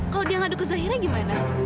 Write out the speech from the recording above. kalau dia ngaduk ke zahira gimana